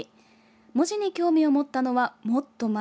文字に興味を持ったのはもっと前。